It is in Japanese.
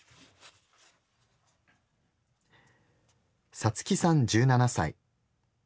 さつきさん１７歳。